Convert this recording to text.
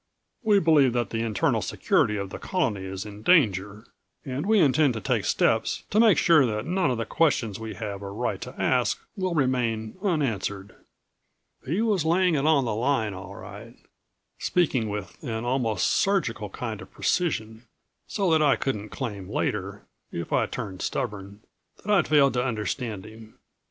We believe that the internal security of the Colony is in danger and we intend to take steps to make sure that none of the questions we have a right to ask will remain unanswered." He was laying it on the line, all right, speaking with an almost surgical kind of precision, so that I couldn't claim later if I turned stubborn that I'd failed to understand him.